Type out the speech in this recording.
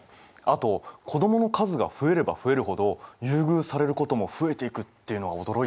あと子どもの数が増えれば増えるほど優遇されることも増えていくっていうのは驚いたな。